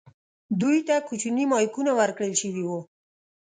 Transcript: دوی ته کوچني مایکونه ورکړل شوي وو.